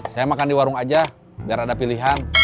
saya makan di warung aja biar ada pilihan